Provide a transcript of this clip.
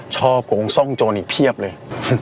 ช่อกงซ่องโจรอีกเพียบเลย